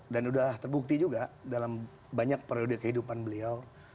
dan sudah terbukti juga dalam banyak periode kehidupan beliau